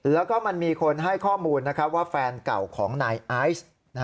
แล้วก็มันมีคนให้ข้อมูลว่าแฟนเก่าของนายไอซ์